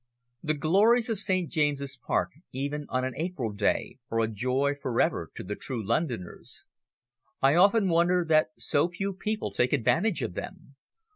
The glories of St. James's Park, even on an April day, are a joy for ever to the true Londoners. I often wonder that so few people take advantage of them.